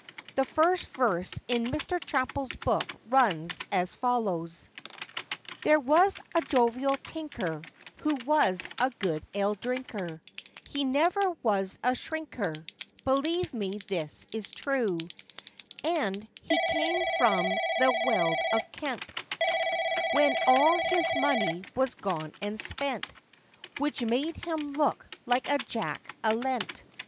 The first verse in Mr. Chappell's book runs as follows:— THERE was a jovial tinker, Who was a good ale drinker, He never was a shrinker, Believe me this is true; And he came from the Weald of Kent, When all his money was gone and spent, Which made him look like a Jack a lent.